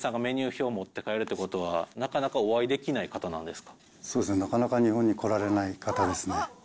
店員さんがメニュー表を持って帰るってことは、なかなかお会そうですね、なかなか日本に来られない方ですね。